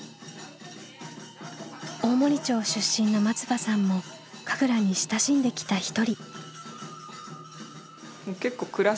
大森町出身の松場さんも神楽に親しんできた一人。